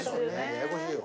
ややこしいよ。